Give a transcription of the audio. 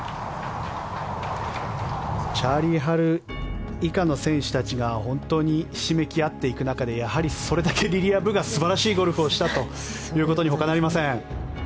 チャーリー・ハル以下の選手たちが本当にひしめき合っていく中でやはり、それだけリリア・ブが素晴らしいゴルフをしたということにほかなりません。